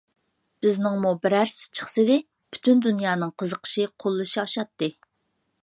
بىزنىڭمۇ بىرەرسى چىقسىدى، پۈتۈن دۇنيانىڭ قىزىقىشى، قوللىشى ئاشاتتى.